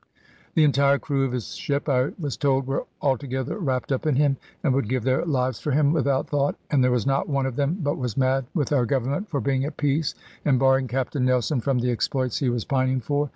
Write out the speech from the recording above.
The entire crew of his ship, I was told, were altogether wrapped up in him, and would give their lives for him without thought; and there was not one of them but was mad with our Government for being at peace, and barring Captain Nelson from the exploits he was pining for.